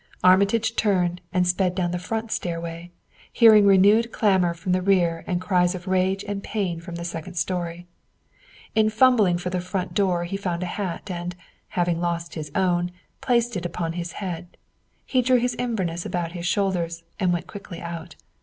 Armitage turned and sped down the front stairway, hearing renewed clamor from the rear and cries of rage and pain from the second story. In fumbling for the front door he found a hat, and, having lost his own, placed it upon his head, drew his inverness about his shoulders, and went quickly out.